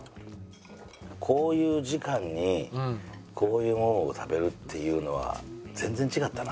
こういう時間にこういうものを食べるっていうのは全然違ったな。